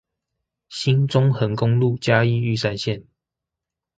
新中橫公路嘉義玉山線